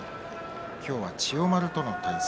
今日は千代丸との対戦。